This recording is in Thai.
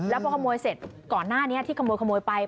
แล้วพอขโมยเสร็จก่อนหน้านี้ที่ขโมยไป